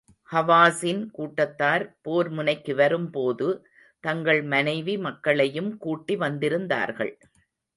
ஹவாஸின் கூட்டத்தார் போர் முனைக்கு வரும் போது, தங்கள் மனைவி, மக்களையும் கூட்டி வந்திருந்தார்கள்.